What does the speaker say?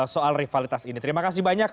soal rivalitas ini terima kasih banyak